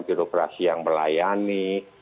birokrasi yang melayani